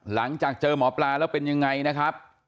หลังจากเจอหมอปลาแล้วเป็นยังไงนะครับ